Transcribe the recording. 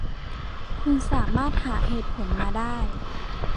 คุณสามารถหาเหตุผลมาได้